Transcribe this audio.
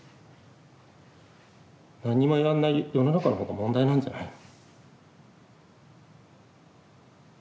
何にもやんない世の中の方が問題なんじゃないの。